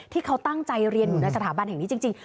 ที่เขาตั้งใจเรียนอยู่ในสถาบันแห่งนี้จริง